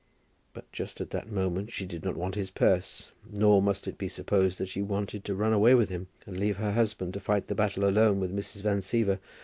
But just at that moment she did not want his purse, nor must it be supposed that she wanted to run away with him and to leave her husband to fight the battle alone with Mrs. Van Siever.